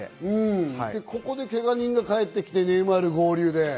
ここでけが人が帰ってきて、ネイマール合流で。